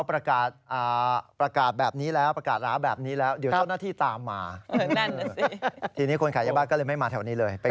พระกาศแบบนี้แล้วประกาศร้าแบบนี้แล้ว